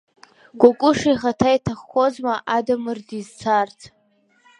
Кәыкәыша ихаҭа иҭаххозма Адамыр дизцарц?